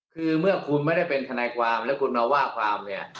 คือเมื่อคุณไม่ได้เป็นทนายความแล้วคุณมาว่าความเนี่ย